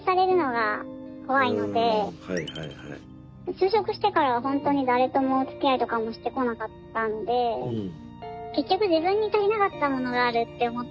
就職してからは本当に誰ともおつきあいとかもしてこなかったんで結局自分に足りなかったものがあるって思ってるんですよね